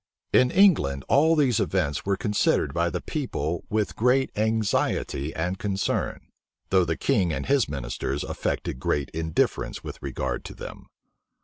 In England, all these events were considered by the people with great anxiety and concern; though the king and his ministers affected great indifference with regard to them.